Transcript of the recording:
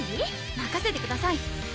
まかせてください！